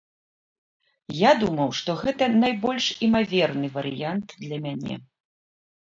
Я думаў, што гэта найбольш імаверны варыянт для мяне.